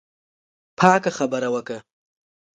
پاکه خبره وکړه.